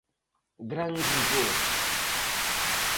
¡Gran rigor!